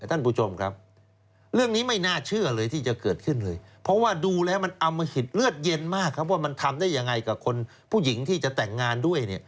ท่านผู้ชมครับเรื่องนี้ไม่น่าเชื่อเลยที่จะเกิดขึ้นเลยเพราะว่าดูแล้วมันอมหิตเลือดเย็นมากครับว่ามันทำได้ยังไงกับคนผู้หญิงที่จะแต่งงานด้วยเนี่ย